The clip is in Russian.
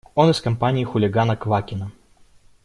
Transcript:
Он из компании хулигана Квакина.